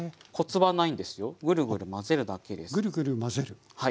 はい。